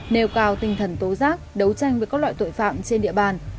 nêu cao tinh thần tố giác đấu tranh với các loại tội phạm trên địa bàn